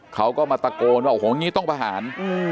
เขาก็มาตะโกนว่าโอ้โหอย่างนี้ต้องประหาร